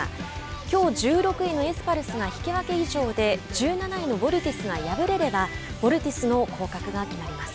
きょう１６位のエスパルスが引き分け以上で１７位のヴォルティスが敗れればヴォルティスの降格が決まります。